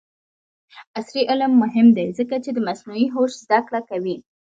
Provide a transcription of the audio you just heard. عصري تعلیم مهم دی ځکه چې د مصنوعي هوش زدکړه کوي.